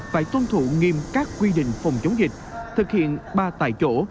phải tuân thủ nghiêm các quy định phòng chống dịch thực hiện ba tại chỗ